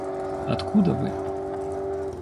Откуда вы?